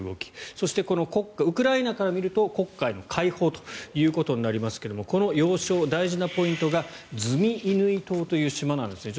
そしてウクライナから見ると黒海の解放ということになりますがこの要衝、大事なポイントがズミイヌイ島という島なんですね。